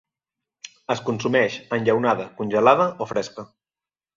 Es consumeix enllaunada congelada o fresca.